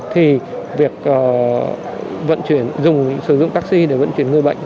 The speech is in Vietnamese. thì việc dùng sử dụng taxi để vận chuyển người bệnh